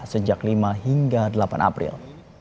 sejak lima hingga delapan april